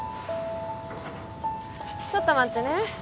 ちょっと待ってね